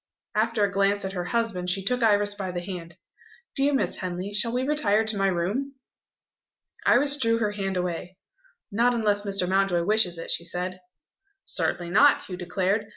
After a glance at her husband, she took Iris by the hand: "Dear Miss Henley, shall we retire to my room?" Iris drew her hand away. "Not unless Mr. Mountjoy wishes it," she said. "Certainly not!" Hugh declared.